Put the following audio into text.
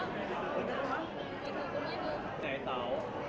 เพลงพี่หวาย